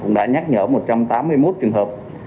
cũng đã nhắc nhở một trăm tám mươi một trường hợp